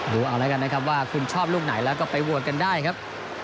ดูเอาแล้วกันนะครับว่าคุณชอบลูกไหนแล้วก็ไปโหวตกันได้ครับ